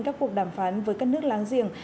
các cuộc đàm phán với các nước láng giềng